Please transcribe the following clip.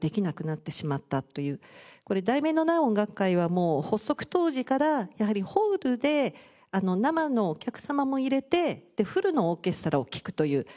これ『題名のない音楽会』はもう発足当時からやはりホールで生のお客様も入れてフルのオーケストラを聴くという。